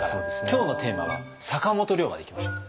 今日のテーマは坂本龍馬でいきましょう。